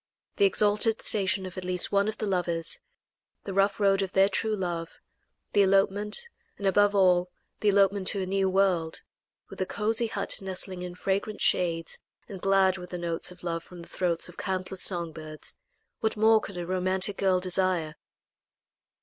The exalted station of at least one of the lovers; the rough road of their true love; the elopement, and, above all, the elopement to a new world, with a cosy hut nestling in fragrant shades and glad with the notes of love from the throats of countless song birds what more could a romantic girl desire?